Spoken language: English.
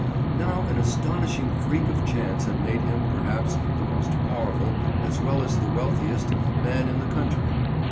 Now an astonishing freak of chance had made him perhaps the most powerful, as well as the wealthiest, man in the country.